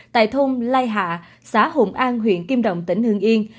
tại thôn lai hạ xã hùng an huyện kim đồng tỉnh hương yên